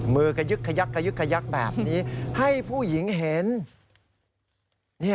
มือกระยึกแบบนี้ให้ผู้หญิงเห็น